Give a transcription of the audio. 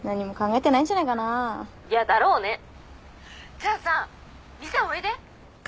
じゃあさ店おいで！えっ？